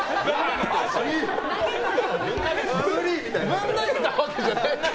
ぶん投げたわけじゃない。